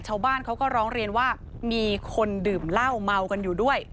ชาวบ้านเขาก็ร้องเรียนว่ามีคนดื่มเหล้าเมากันอยู่ด้วย